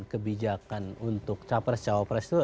kebijakan untuk capres cawapres itu